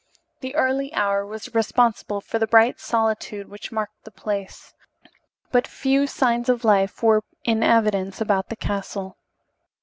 The early hour was responsible for the bright solitude which marked the place. But few signs of life were in evidence about the castle.